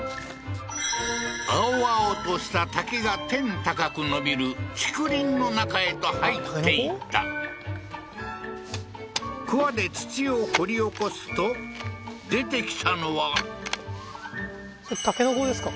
青々とした竹が天高く伸びる竹林の中へと入っていった鍬で土を掘り起こすと出てきたのは筍ですか？